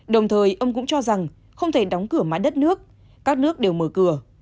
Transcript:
đồng thời ông cũng cho rằng không thể đóng cửa mãi đất nước các nước đều mở cửa